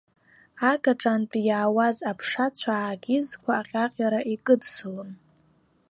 Агаҿантәи иаауаз аԥша цәаак изқәа аҟьаҟьара икыдсылон.